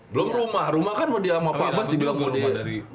belum rumah rumah kan mau dia sama pak bas dibilang mulia